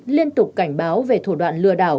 liên tục cảnh báo về thủ đoạn lừa đảo